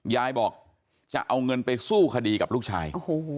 ยายบอกจะเอาเงินไปสู้คดีกับลูกชาย